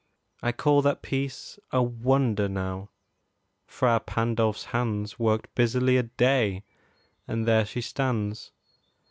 I call That piece a wonder, now: Fra Pandolf's hands Worked busily a day, and there she stands.